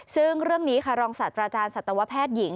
ซึ่งเรื่องนี้ค่ะรองศาสตราจารย์สัตวแพทย์หญิง